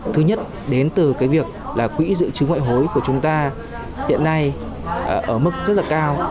thứ nhất đến từ cái việc là quỹ dự trữ ngoại hối của chúng ta hiện nay ở mức rất là cao